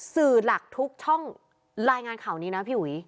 สื่อหลักทุกช่องรายงานข่าวนี้นะพี่อุ๋ย